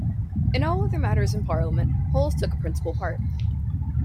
In all other matters in Parliament Holles took a principal part.